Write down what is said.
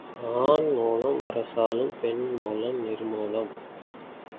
ஆண் மூலம் அரசாளும் பெண் மூலம் நிர்மூலம்.